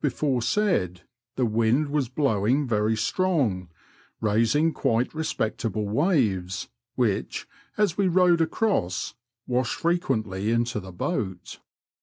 95 before said, the wind was blowing very strong, raising quite respectable waves, which, as we rowed across, washed fre quently into the boat.